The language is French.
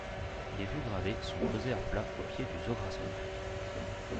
Les vues gravées sont posées à plat au pied du zograscope.